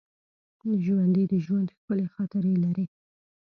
ژوندي د ژوند ښکلي خاطرې لري